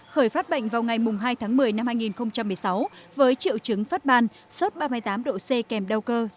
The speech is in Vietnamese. khởi phát bệnh vào ngày hai tháng một mươi năm hai nghìn một mươi sáu với triệu chứng phát ban sốt ba mươi tám độ c kèm đau cơ